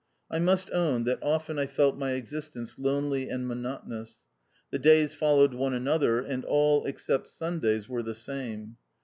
I must own that often I felt my existence lonely and monotonous. The days followed one another, and all, except Sundays, were the same.